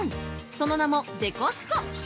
その名も「デコスコ」